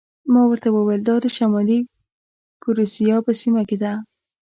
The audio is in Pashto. ما ورته وویل: دا د شمالي ګوریزیا په سیمه کې ده.